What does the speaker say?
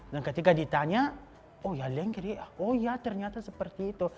dan ketika ditanya oh ya lengger ya oh ya ternyata seperti itu